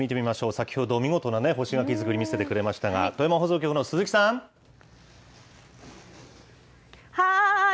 先ほど、見事な干し柿作り、見せてくれましたが、富山放送局はーい。